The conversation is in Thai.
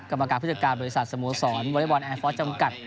กรรมการพฤติการบริษัทสมโศรบริบอลแอนด์ฟอร์สจำกัด